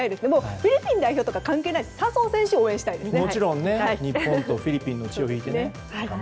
フィリピン代表とか関係なくて笹生選手を応援したいですね。